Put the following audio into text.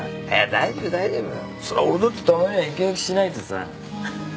そりゃ俺だってたまには息抜きしないとさ。